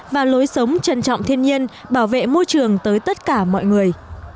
và lối sống trân trọng thiên nhiên bảo vệ môi trường tới tất cả mọi người